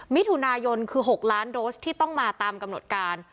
มิถุนายนคือ๖ล้านโดสที่ต้องมาตามกำหนดการ